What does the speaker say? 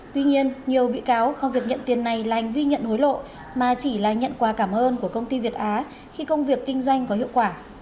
tuy nhiên nhiều bị cáo không việc nhận tiền này là hành vi nhận hối lộ mà chỉ là nhận quà cảm ơn của công ty việt á khi công việc kinh doanh có hiệu quả